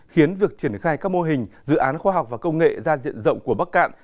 khiến việc triển khai các mô hình dự án khoa học và công nghệ gia diện rộng của bắc cạn